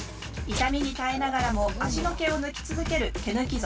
痛みに耐えながらも脚の毛を抜き続ける毛抜き族。